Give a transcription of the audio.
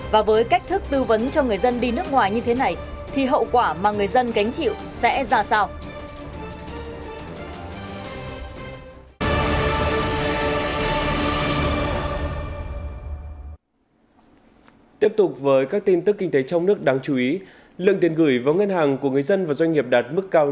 và với cách thức tư vấn cho người dân đi nước ngoài như thế này thì hậu quả mà người dân gánh chịu sẽ ra sao